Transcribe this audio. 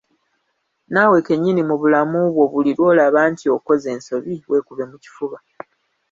Naawe kennyini mu bulamu bwo buli lw'olaba nti okoze ensobi weekube mu kifuba.